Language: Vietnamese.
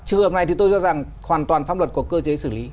trường hợp này thì tôi cho rằng hoàn toàn pháp luật có cơ chế xử lý